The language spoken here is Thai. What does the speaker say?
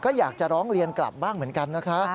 ก็อยากจะร้องเรียนกลับบ้างเหมือนกันนะคะ